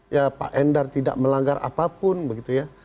ya pak endar tidak melanggar apapun begitu ya